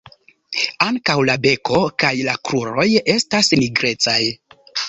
Ankaŭ la beko kaj la kruroj estas nigrecaj.